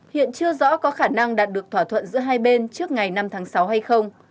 hiện chưa rõ có khả năng đạt được thỏa thuận giữa hai bên trước ngày năm tháng sáu hay không